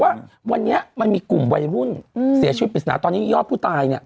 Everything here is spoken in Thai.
ว่าวันนี้มันมีกลุ่มวัยรุ่นเสียชีวิตปริศนาตอนนี้ยอดผู้ตายเนี่ย